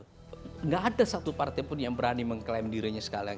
tidak ada satu partai pun yang berani mengklaim dirinya sekalian